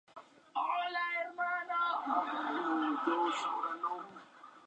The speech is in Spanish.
Las escuelas públicas están administradas por el Broward County Public Schools del distrito.